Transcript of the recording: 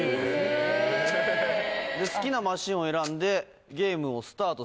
好きなマシンを選んでゲームをスタートする。